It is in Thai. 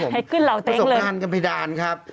อุ๊ยตายขึ้นเหล่าเต๊งเลยประสบการณ์กันไปดานครับ